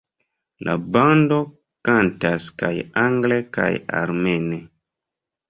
La bando kantas kaj angle kaj armene.